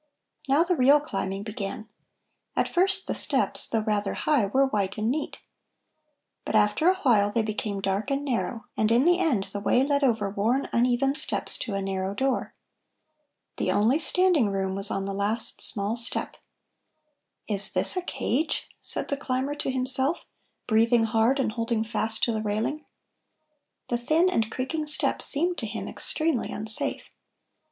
Now the real climbing began. At first the steps, though rather high, were white and neat. But after a while they became dark and narrow, and in the end the way led over worn, uneven steps to a narrow door. The only standing room was on the last small step. "Is this a cage?" said the climber to himself, breathing hard and holding fast to the railing. The thin and creaking steps seemed to him extremely unsafe.